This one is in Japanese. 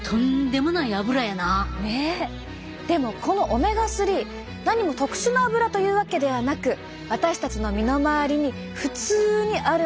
でもこのオメガ３なにも特殊なアブラというわけではなく私たちの身の回りに普通にあるものなんです。